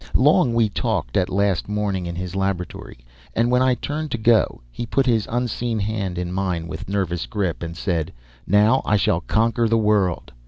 Long we talked that last morning in his laboratory; and when I turned to go, he put his unseen hand in mine with nervous grip, and said, "Now I shall conquer the world!"